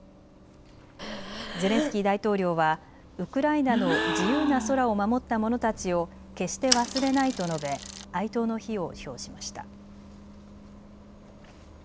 ゼレンスキー大統領はウクライナの自由な空を守った者たちを決して忘れないと述べ哀悼の意を表しました。